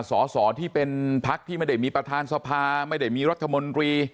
สอสอที่เป็นพักที่ไม่ได้มีประธานสภาไม่ได้มีรัฐมนตรี